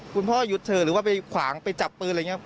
พ่อหยุดเธอหรือว่าไปขวางไปจับปืนอะไรอย่างนี้